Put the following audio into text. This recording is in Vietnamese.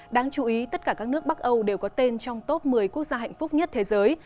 đáng chú ý tất cả các nước bắc âu đều có tên trong top một mươi quốc gia hạnh phúc nhất thế giới